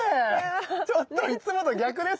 ちょっといつもと逆ですね。